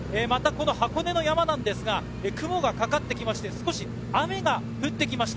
箱根の山は雲がかかってきて少し雨が降ってきました。